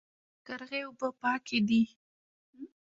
د قرغې اوبه پاکې دي